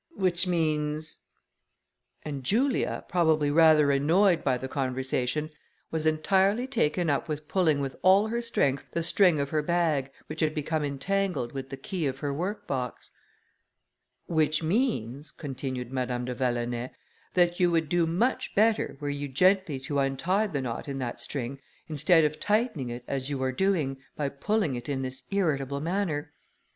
which means...." And Julia, probably rather annoyed by the conversation, was entirely taken up with pulling with all her strength the string of her bag, which had become entangled with the key of her work box. "Which means," continued Madame de Vallonay, "that you would do much better, were you gently to untie the knot in that string, instead of tightening it as you are doing, by pulling it in this irritable manner.